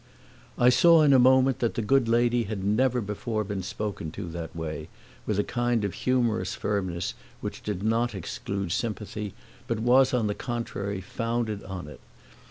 I saw in a moment that the good lady had never before been spoken to in that way, with a kind of humorous firmness which did not exclude sympathy but was on the contrary founded on it.